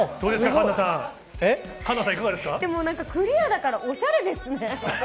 環奈さん、クリアだからおしゃれですね。